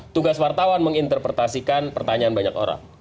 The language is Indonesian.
tugas wartawan menginterpretasikan pertanyaan banyak orang